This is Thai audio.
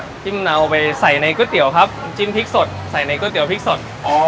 จิ้มเนาไปใส่ในก๋วยเตี๋ยวครับจิ้มพริกสดใส่ในก๋วเตี๋พริกสด